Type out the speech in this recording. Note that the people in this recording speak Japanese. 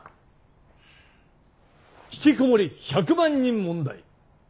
ひきこもり１００万人問題。